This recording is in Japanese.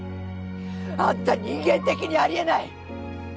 あんた人間的にありえない！